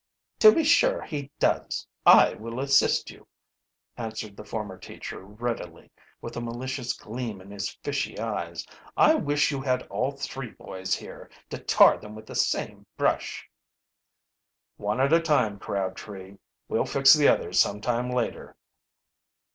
"To be sure he does. I will assist you," answered the former teacher readily, with a malicious gleam in his fishy eyes. "I wish you had all three boys here, to tar them with the same brush." "One at a time, Crabtree. We'll fix the others some time later."